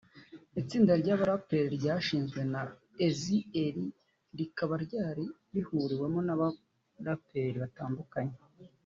Iri tsinda ry’abaraperi ryashinzwe na Eazy-E rikaba ryari rihuriwemo n’abaraperi batandukanye